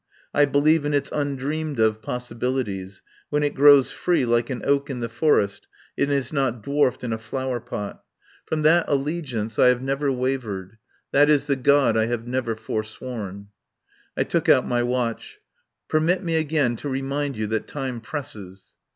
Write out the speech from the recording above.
I believe in its un dreamed of possibilities, when it grows free like an oak in the forest and is not dwarfed in a flower pot. From that allegiance I have 202 THE POWER HOUSE never wavered. That is the God I have never forsworn." I took out my watch. "Permit me again to remind you that time presses."